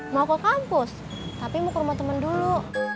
mau ke kampus tapi mau ke rumah temen dulu